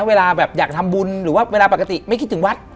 เวลาแบบอยากทำบุญหรือว่าเวลาปกติไม่คิดถึงวัด